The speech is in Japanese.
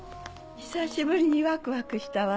久しぶりにワクワクしたわ。